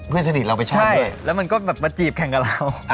เพื่อนสนิทเราไปชอบด้วย